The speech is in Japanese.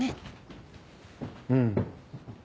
うん。